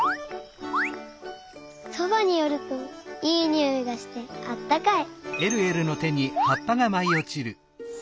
そばによるといいにおいがしてあったかい。